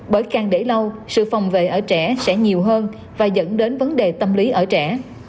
bởi càng để lâu sự phòng vệ ở trẻ sẽ nhiều hơn và dẫn đến vấn đề tâm lý ở trẻ